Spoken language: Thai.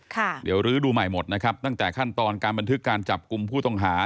ค่ะเดี๋ยวลื้อดูใหม่หมดนะครับตั้งแต่ขั้นตอนการบันทึกการจับกลุ่มผู้ต้องหา